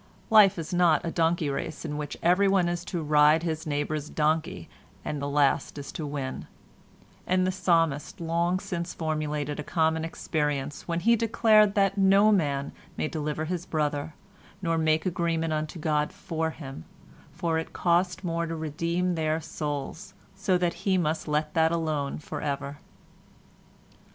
Life is not a donkey race in which everyone is to ride his neighbour's donkey and the last is to win, and the psalmist long since formulated a common experience when he declared that no man may deliver his brother nor make agreement unto God for him, for it cost more to redeem their souls, so that he must let that alone for ever.